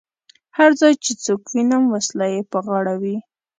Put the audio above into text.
هر ځای چې څوک وینم وسله یې پر غاړه وي.